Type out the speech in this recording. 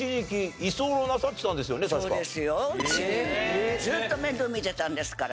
そうですよ。ずっと面倒見てたんですから。